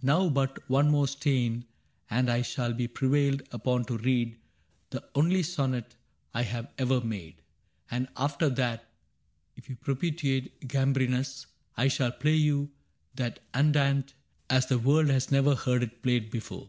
Now but one more stein. And I shall be prevailed upon to read The only sonnet I have ever made ; CAPTAIN CRAIG 37 And after that, if you propitiate Gambrinus, I shall play you that Andante As the world has never heard it played before.